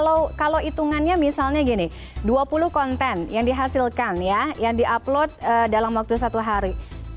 kalau hitungannya misalnya gini dua puluh konten yang dihasilkan ya yang di upload dalam waktu satu hari